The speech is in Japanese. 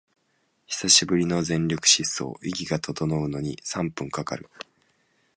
久しぶりの全力疾走、息が整うのに三分かかる